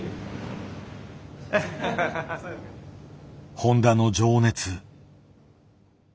誉田の情熱。